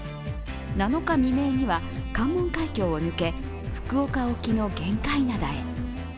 ７日未明には関門海峡を抜け福岡沖の玄界灘へ。